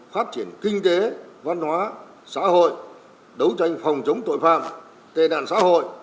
phát triển kinh tế văn hóa xã hội đấu tranh phòng chống tội phạm tệ nạn xã hội